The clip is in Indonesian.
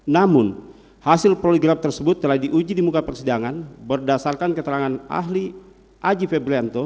namun hasil poligraf tersebut telah diuji di muka persidangan berdasarkan keterangan ahli aji febrianto